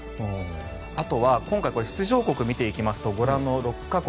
あとは今回、出場国を見ていきますとご覧の６か国。